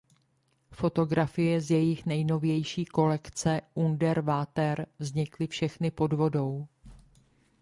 Fotografie z jejich nejnovější kolekce "Under Water" vznikly všechny pod vodou.